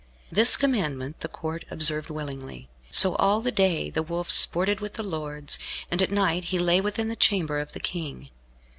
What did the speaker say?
This commandment the Court observed willingly. So all the day the Wolf sported with the lords, and at night he lay within the chamber of the King.